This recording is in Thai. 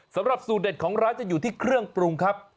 สำหรับสูตรเด็ดของร้านจะอยู่ที่เครื่องปรุงครับ